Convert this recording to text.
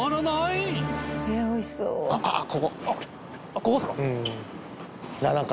ここっすか？